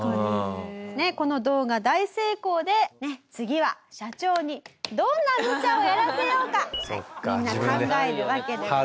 ねっこの動画大成功で次は社長にどんなむちゃをやらせようかみんな考えるわけでございます。